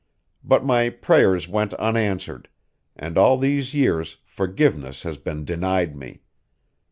But my prayers went unanswered, and all these years forgiveness has been denied me.